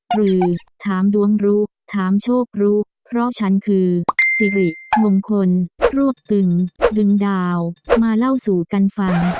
หรือถามดวงรู้ถามโชครู้เพราะฉันคือสิริมงคลรวบตึงดึงดาวมาเล่าสู่กันฟัง